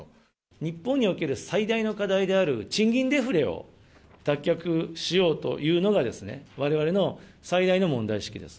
日本における最大の課題である賃金デフレを脱却しようというのが、われわれの最大の問題意識です。